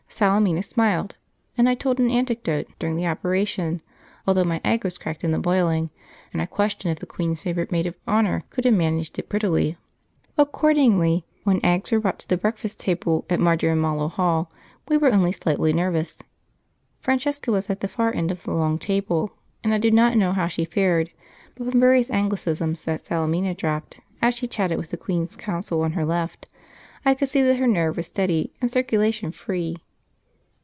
Salemina smiled, and I told an anecdote, during the operation, although my egg was cracked in the boiling, and I question if the Queen's favourite maid of honour could have managed it prettily. Accordingly, when eggs were brought to the breakfast table at Marjorimallow Hall, we were only slightly nervous. Francesca was at the far end of the long table, and I do not know how she fared, but from various Anglicisms that Salemina dropped, as she chatted with the Queen's Counsel on her left, I could see that her nerve was steady and circulation free.